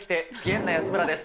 んな安村です。